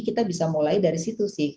kita bisa mulai dari situ sih